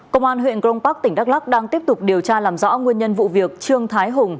công an huyện grong park tỉnh đắk lắc đang tiếp tục điều tra làm rõ nguyên nhân vụ việc trương thái hùng